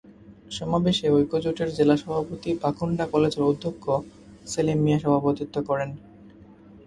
সমাবেশে ঐক্যজোটের জেলা সভাপতি বাখুণ্ডা কলেজের অধ্যক্ষ সেলিম মিয়া সভাপতিত্ব করেন।